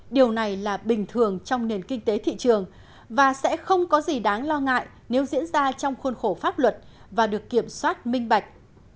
điều này là bình thường trong nền kinh tế thị trường và sẽ không có gì đáng lo ngại nếu diễn ra trong khuôn khổ pháp luật và được kiểm soát minh bạch